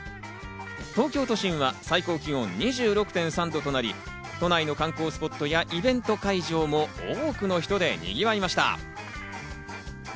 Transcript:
東京都心は最高気温２６．３度となり都内の観光スポットやイベント会場も多くの人でにぎわいました。